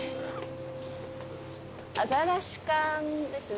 アザラシ館ですね。